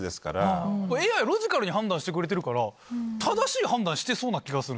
ＡＩロジカルに判断してくれてるから正しい判断してそうな気がするんですよ。